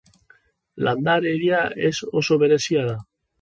Landaredia ere oso berezia da.